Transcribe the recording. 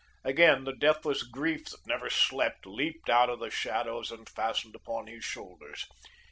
Again, the deathless grief that never slept leaped out of the shadows, and fastened upon his shoulders.